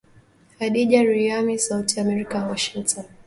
Khadija Riyami sauti ya america Washington